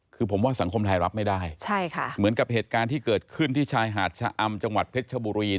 คือผมว่าสังคมไทยรับไม่ได้เหมือนกับเหตุการณ์ที่เกิดขึ้นที่ชายหาดชะอำจังหวัดเพชรชบุรี